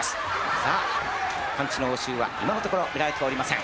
さあパンチの応酬は今のところ見られておりません。